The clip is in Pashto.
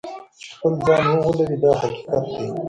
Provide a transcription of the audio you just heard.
چې خپل ځان وغولوي دا حقیقت دی.